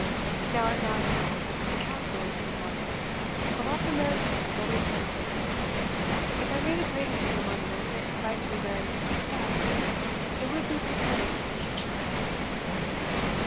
Now, at Nassau, the capital of the Bahamas, a lot of Americans always spend the winter. If I made acquaintances among them, it might be a very useful step, it would be preparing for the future.